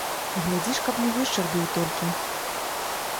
Глядзі ж, каб не вышчарбіў толькі.